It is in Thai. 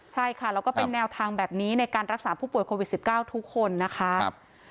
ใช่ค่ะแล้วก็เป็นแนวทางแบบนี้ในการรักษาผู้ป่วยโควิด๑๙ทุกคนนะคะ